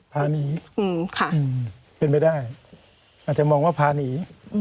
พาหนีค่ะเป็นไปได้อาจจะมองว่าพาหนี